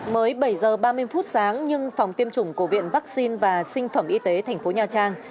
mới bảy h ba mươi phút sáng nhưng phòng tiêm chủng của viện vaccine và sinh phẩm y tế tp nhcm